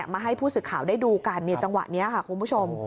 มาให้ผู้สื่อข่าวได้ดูกันจังหวะนี้ค่ะคุณผู้ชม